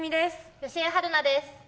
吉江晴菜です。